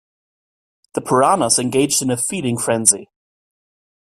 The piranhas engaged in a feeding frenzy.